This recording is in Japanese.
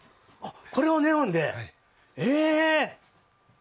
これをネオンで、えー！